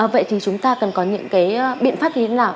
vậy thì chúng ta cần có những cái biện pháp như thế nào